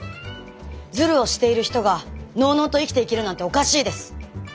ずるをしている人がのうのうと生きていけるなんておかしいです。